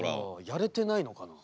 やれてないのかな？